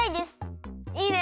いいね！